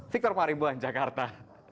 victor maribuan jakarta